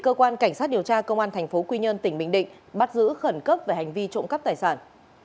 cơ quan cảnh sát điều tra công an thành phố quy nhơn tỉnh bình định bắt giữ khẩn cấp về hành vi trộm cắp tài sản